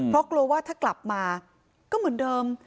เพราะกลัวว่าถ้ากลับมาก็เหมือนเดิม